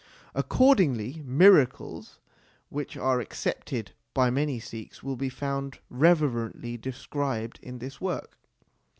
Accordingly, miracles which are accepted by many Sikhs will be found reverently described in this work.